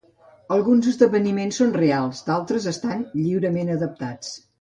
Alguns esdeveniments són reals, d'altres estan lliurement adaptats.